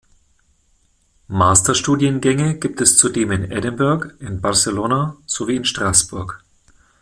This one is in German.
Masterstudiengänge gibt es zudem in Edinburgh, in Barcelona sowie in Straßburg.